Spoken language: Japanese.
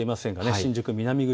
新宿南口。